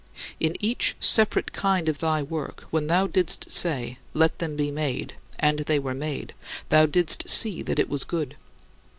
In each separate kind of thy work, when thou didst say, "Let them be made," and they were made, thou didst see that it was good.